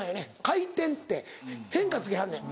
「回転」って変化つけはんねん。